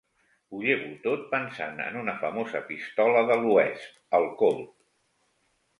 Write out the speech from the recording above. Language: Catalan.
Ho llevo tot pensant en una famosa pistola de l'oest: el Colt.